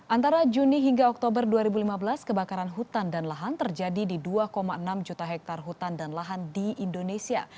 antara juni hingga oktober dua ribu lima belas kebakaran hutan dan lahan terjadi di dua enam juta hektare hutan dan lahan di indonesia